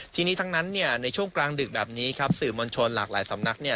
ทีนี้ทั้งนั้นในช่วงกลางดึกแบบนี้ครับสื่อมวลชนหลากหลายสำนักเนี่ย